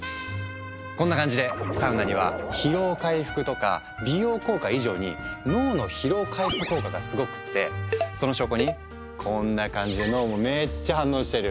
こんな感じでサウナには疲労回復とか美容効果以上に脳の疲労回復効果がすごくってその証拠にこんな感じで脳もめっちゃ反応してる。